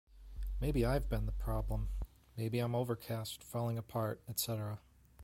'Maybe I've been the problem,' maybe I'm overcast, falling apart, etc...